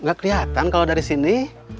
gak kelihatan kalau dari sini